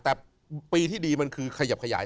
แต่ปีที่ดีมันคือขยับขยาย